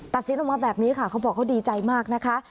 ตัดสินออกมาแบบนี้ค่ะเค้าบอกเค้าดีใจมากค่ะ